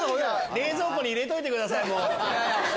冷蔵庫に入れといてくださいもう。